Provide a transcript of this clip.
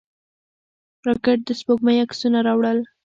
راکټ د سپوږمۍ عکسونه راوړل